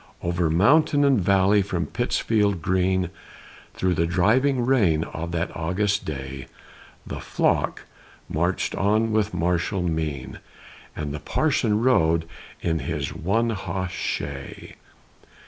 Over mountain and valley, from Pittsfield green, Through the driving rain of that August day, The "Flock" marched on with martial mien, And the Parson rode in his "one hoss shay."